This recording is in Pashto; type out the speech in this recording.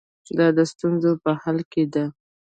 دا د ستونزو په حل کې ده.